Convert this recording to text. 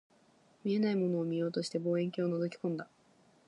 見えないものを見ようとして、望遠鏡を覗き込んだ